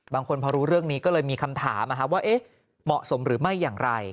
บางคนพอรู้เรื่องนี้ก็เลยมีคำถามว่าเหมาะสมหรือไม่อย่างไร